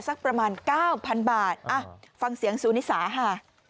สักประมาณ๙๐๐บาทฟังเสียงซูนิสาค่ะ